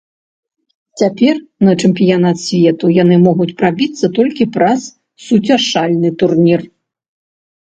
Цяпер на чэмпіянат свету яны могуць прабіцца толькі праз суцяшальны турнір.